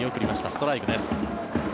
ストライクです。